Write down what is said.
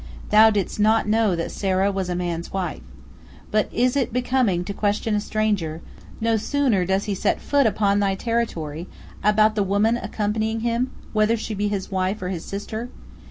Thou didst not know that Sarah was a man's wife. But is it becoming to question a stranger, no sooner does he set foot upon thy territory, about the woman accompanying him, whether she be his wife or his sister?